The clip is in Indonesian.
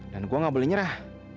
dan gue gak boleh nyerah